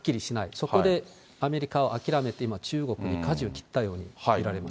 そこでアメリカを諦めて、今、中国にかじを切ったように見られます。